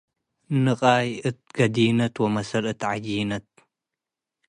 ንቃይ እት ገዲነት ወመሰል እት ዐጂነት።